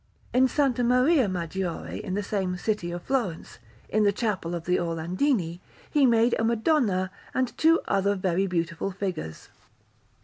In S. Maria Maggiore in the same city of Florence, in the Chapel of the Orlandini, he made a Madonna and two other very beautiful figures.